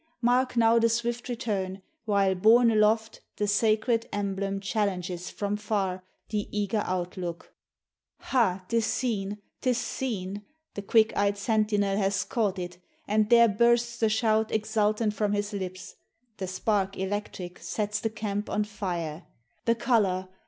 Mark now the swift return, while, borne aloft, The sacred emblem challenges from far The eager outlook Ha! 'tis seen! 'tis seen! The quick eyed sentinel has caught it, and There bursts the shout exultant from his lips. The spark electric sets the camp on fire; "The COLOUR!